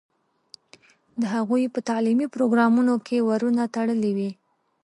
د هغوی په تعلیمي پروګرامونو کې ورونه تړلي وي.